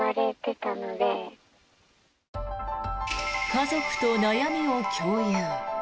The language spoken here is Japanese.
家族と悩みを共有。